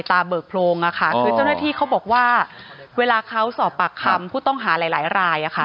เบิกโพรงอะค่ะคือเจ้าหน้าที่เขาบอกว่าเวลาเขาสอบปากคำผู้ต้องหาหลายหลายราย